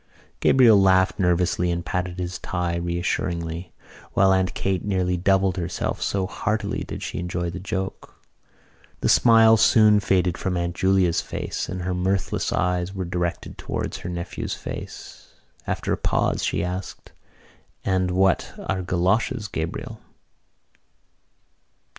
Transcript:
Gabriel laughed nervously and patted his tie reassuringly while Aunt Kate nearly doubled herself, so heartily did she enjoy the joke. The smile soon faded from Aunt Julia's face and her mirthless eyes were directed towards her nephew's face. After a pause she asked: "And what are goloshes, Gabriel?"